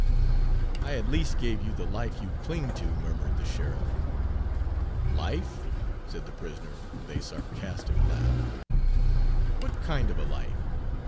"I at least gave you the life you cling to," murmured the sheriff. "Life?" said the prisoner, with a sarcastic laugh. "What kind of a life?